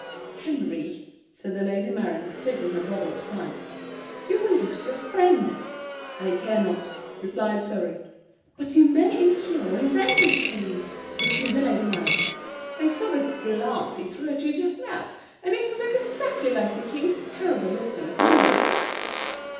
"Henry," said the Lady Mary, taking her brother aside, "you will lose your friend." "I care not," replied Surrey. "But you may incur his enmity," pursued the Lady Mary. "I saw the glance he threw at you just now, and it was exactly like the king's terrible look when offended."